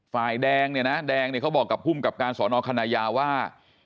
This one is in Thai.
ฝ่ายแดงเนี่ยนะแดงเนี่ยเขาบอกกับภูมิกับการสอนอคณะยาว่า